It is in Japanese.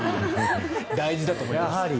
大事だと思います。